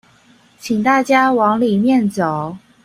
請大家往裡面走